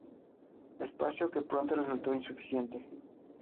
Espacio que pronto resultó insuficiente.